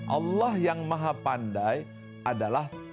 allah yang maha pandai adalah